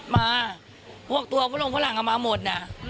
มาพวกตัวโรงฝรั่งก็มาหมดนะ